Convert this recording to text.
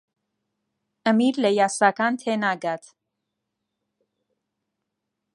ئەمیر لە یاساکان تێناگات.